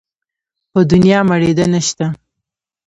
په دونيا مړېده نه شته.